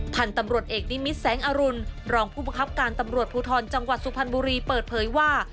พันธุ์ตำรวจเอกนิมิตแสงอรุณรองผู้บังคับการตำรวจภูทรจังหวัดสุพรรณบุรีเปิดเผยว่า